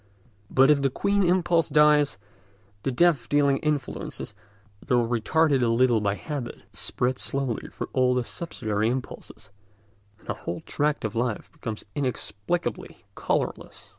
But if the queen impulse dies, the death dealing influence, though retarded a little by habit, spreads slowly through all the subsidiary impulses, and a whole tract of life becomes inexplicably colourless.